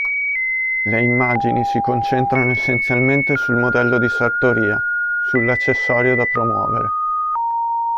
Le immagini si concentrano essenzialmente sul modello di sartoria, sull'accessorio da promuovere.